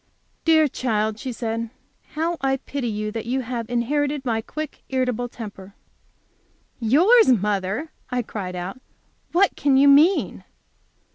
"Dear child," she said, "how I pity you that you have inherited my quick, irritable temper." "Yours, mother!" I cried out; "what can you mean?"